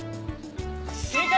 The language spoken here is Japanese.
正解！